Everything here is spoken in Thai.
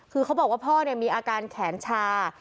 คือเขาบอกว่าพ่อมีอาการแขนชา